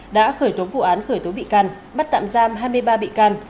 đã khởi tố vụ án khởi tố bị can bắt tạm giam hai mươi ba bị can